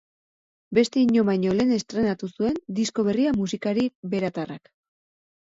Beste inon baino lehen estreinatu zuen disko berria musikari beratarrak.